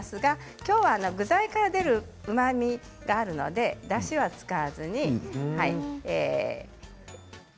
今日は具材から出るうまみありますので、だしは使わずに。